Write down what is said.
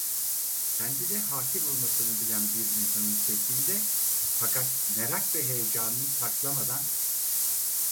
Kendine hâkim olmasını bilen bir insanın sesiyle, fakat merak ve heyecanını saklamadan: